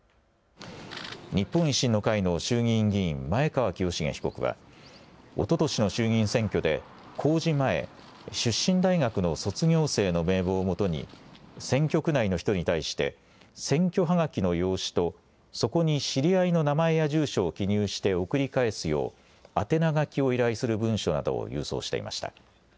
日本維新の会の衆議院議員前川清成被告はおととしの衆議院選挙で公示前、出身大学の卒業生の名簿をもとに選挙区内の人に対して選挙はがきの用紙とそこに知り合いの名前や住所を記入して送り返すよう宛名書きを依頼する文書などを郵送していました。